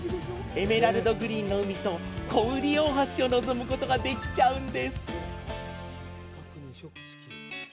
エメラルドグリーンの海と古宇利大橋を望むことができちゃうんです。